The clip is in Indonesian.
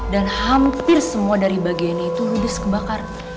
dan hampir semua dari bagian ini tuh habis kebakar